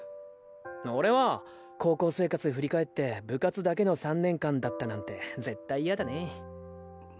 俺は高校生活振り返って部活だけの３年間だったなんて絶対ヤダね。